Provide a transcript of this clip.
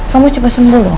kamu coba sembuh loh